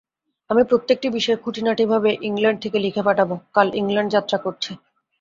আমি প্রত্যেকটি বিষয় খুঁটিনাটিভাবে ইংলণ্ড থেকে লিখে পাঠাব, কাল ইংলণ্ড যাত্রা করছি।